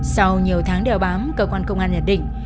sau nhiều tháng đeo bám cơ quan công an nhận định